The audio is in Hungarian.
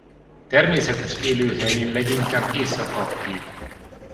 Természetes élőhelyén leginkább éjszaka aktív.